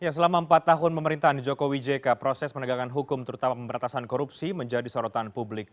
selama empat tahun pemerintahan jokowi jk proses penegakan hukum terutama pemberantasan korupsi menjadi sorotan publik